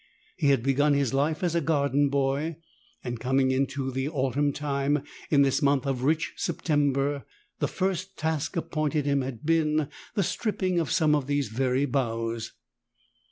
He had begun his life as a garden boy, and, coming in the autumn time, in this month of rich September, the first task appointed him had been the stripping of some of these very boughs.